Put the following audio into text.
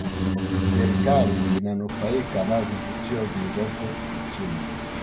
serikali inanufaika na vivutio vilivopo nchini